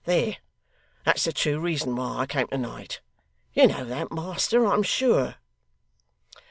There. That's the true reason why I came to night. You know that, master, I am sure.